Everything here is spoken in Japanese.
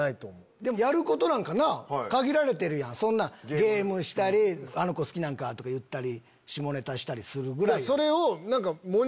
やることなんか限られてるやんゲームしたり「あの子好きなんか？」とか下ネタしたりするぐらい。